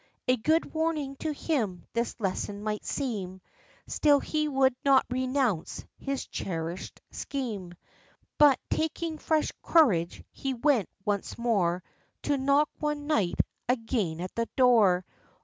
A good warning to him this lesson might seem; Still he would not renounce his cherished scheme; But, taking fresh courage, he went once more To knock, one dark night, again at the door.